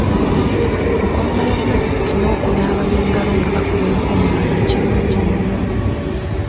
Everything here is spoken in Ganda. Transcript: Okwambala masiki n'okunaaba mu ngalo nga bakuba enkung'aana kirungi nyo.